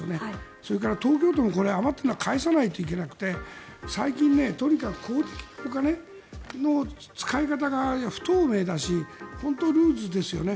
それから東京都も余ったのは返さないといけなくて最近、とにかく公金の使い方が不透明だし本当ルーズですよね。